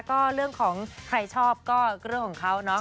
ก็เรื่องของใครชอบก็เรื่องของเขาเนาะ